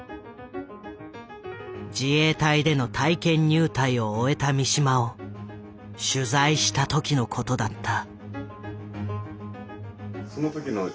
自衛隊での体験入隊を終えた三島を取材した時のことだった。